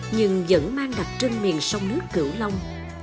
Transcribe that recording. nhưng vẫn mang đặc trưng miền sông nước cửu long